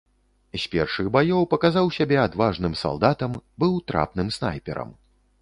З першых баёў паказаў сябе адважным салдатам, быў трапным снайперам.